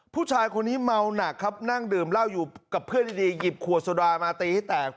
ผู้ชายคนนี้เมาหนักครับนั่งดื่มเหล้าอยู่กับเพื่อนดีหยิบขวดโซดามาตีให้แตก